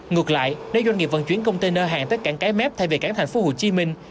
ngược lại nếu doanh nghiệp vận chuyển container hàng tới cảng cái mép thay vì cảng thành phố hồ chí minh